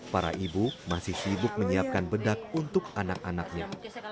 para ibu masih sibuk menyiapkan bedak untuk anak anaknya